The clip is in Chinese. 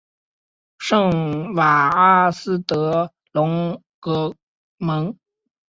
圣瓦阿斯德隆格蒙。